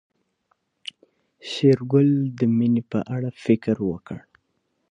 شېرګل د مينې په اړه فکر وکړ.